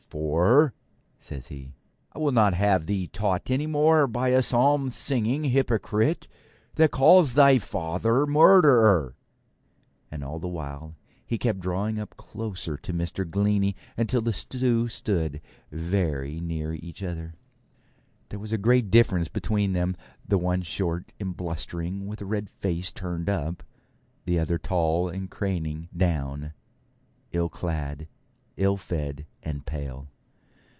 'For,' says he, 'I will not have thee taught any more by a psalm singing hypocrite that calls thy father murderer.' And all the while he kept drawing up closer to Mr. Glennie, until the two stood very near each other. There was a great difference between them; the one short and blustering, with a red face turned up; the other tall and craning down, ill clad, ill fed, and pale.